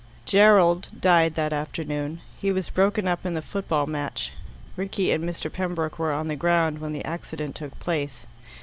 V Gerald died that afternoon. He was broken up in the football match. Rickie and Mr. Pembroke were on the ground when the accident took place.